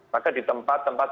maka di tempat tempat